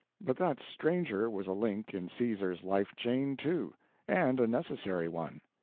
But that stranger was a link in Caesar's life chain, too; and a necessary one.